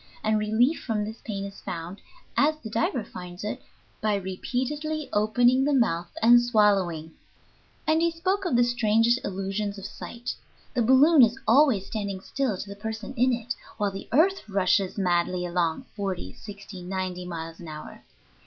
And relief from this pain is found, as the diver finds it, by repeatedly opening the mouth and swallowing. [Illustration: PROFESSOR MYERS IN HIS "SKYCYCLE."] And he spoke of the strangest illusions of sight. The balloon is always standing still to the person in it, while the earth rushes madly along, forty, sixty, ninety miles an hour.